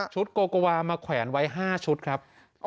โกโกวามาแขวนไว้๕ชุดครับ